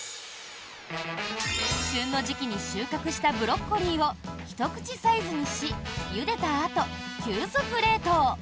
旬の時期に収穫したブロッコリーをひと口サイズにしゆでたあと、急速冷凍。